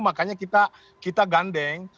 makanya kita gandeng